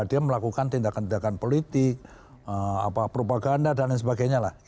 dia melakukan tindakan tindakan politik propaganda dan lain sebagainya lah